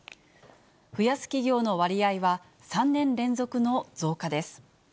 増やす企業の割合は、３年連続の増加です。